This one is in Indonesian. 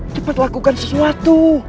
cepat lakukan sesuatu